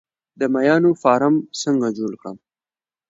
د ماهیانو فارم څنګه جوړ کړم؟